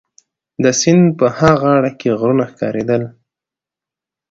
د سیند په ها غاړه کي غرونه ښکارېدل.